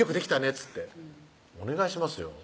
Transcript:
っつってお願いしますよ